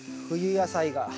冬野菜が。